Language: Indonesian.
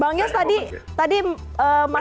bang yos tadi mas ridwan menyebutkan bahwa